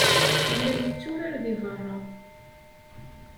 Yella yetturar deg beṛṛa.